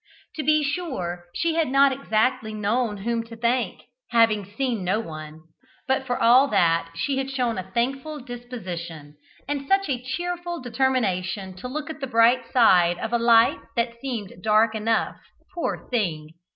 To be sure, she had not exactly known whom to thank, having seen no one, but for all that she had shown a thankful disposition, and such a cheerful determination to look at the bright side of a life that seemed dark enough, poor thing!